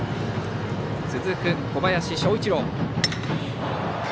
続く小林昇一郎。